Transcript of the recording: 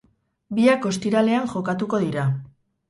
Biak ostiralean jokatuko dira.